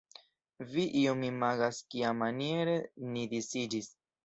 Vi iom imagas kiamaniere ni disiĝis.